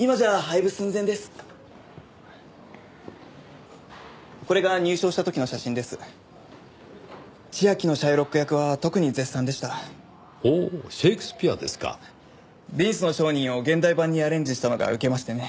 『ヴェニスの商人』を現代版にアレンジしたのがウケましてね。